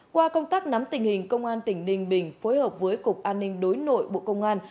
qua công tác nắm tình hình công an tỉnh ninh bình phối hợp với cục an ninh đối nội bộ công an